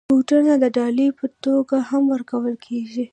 بوټونه د ډالۍ په توګه هم ورکول کېږي.